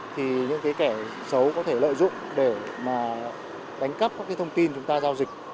thì những cái kẻ xấu có thể lợi dụng để mà đánh cắp các cái thông tin chúng ta giao dịch